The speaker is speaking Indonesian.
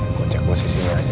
gue cek posisinya aja